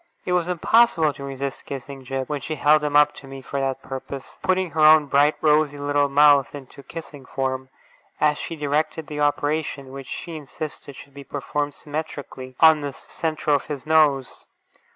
It was impossible to resist kissing Jip, when she held him up to me for that purpose, putting her own bright, rosy little mouth into kissing form, as she directed the operation, which she insisted should be performed symmetrically, on the centre of his nose.